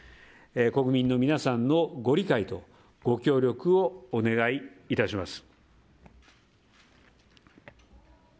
国民の皆さんのご理解とご協力をお願いいたします。